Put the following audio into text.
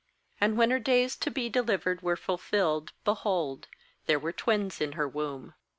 MAnd when her days to be delivered were fulfilled, behold, there were twins in her womb.